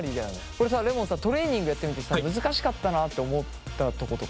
これさレモンさトレーニングやってみてさ難しかったなって思ったとことかある？